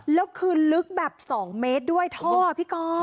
แล้วคือลึกแบบ๒เมตรด้วยท่อพี่ก๊อ